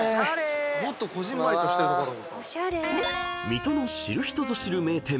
［水戸の知る人ぞ知る名店］